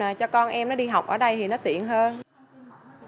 tại thuận tiện cho công việc của em nè